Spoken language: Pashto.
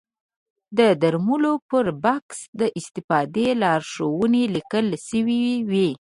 د درملو پر بکس د استفادې لارښوونې لیکل شوې وي.